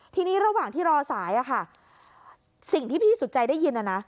ทีนี้ระหว่างที่รอสายอะค่ะสิ่งที่พี่สุดใจได้ยินนะนะ